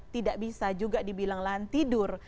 tidak bisa juga dibilang lahan tidur